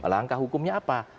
langkah hukumnya apa